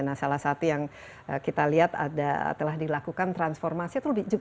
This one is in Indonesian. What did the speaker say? nah salah satu yang kita lihat ada telah dilakukan transformasi